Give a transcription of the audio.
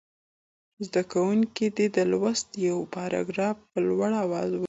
زده کوونکي دې د لوست یو یو پاراګراف په لوړ اواز ولولي.